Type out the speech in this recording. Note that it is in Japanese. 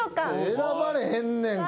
選ばれへんねんこれ。